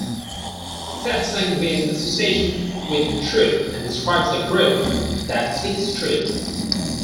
Satsang means 'association with Truth' and describes a group that seeks truth.